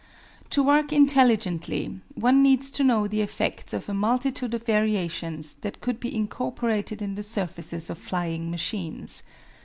To work intelligently, one needs to know the effects of a multitude of variations that could be incorporated in the surfaces of flying machines.